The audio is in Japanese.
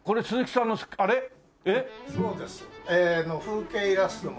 風景イラストも。